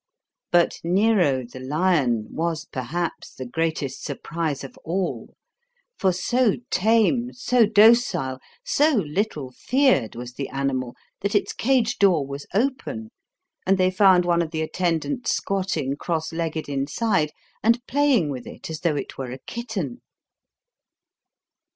But Nero, the lion, was perhaps the greatest surprise of all, for so tame, so docile, so little feared was the animal, that its cage door was open, and they found one of the attendants squatting cross legged inside and playing with it as though it were a kitten.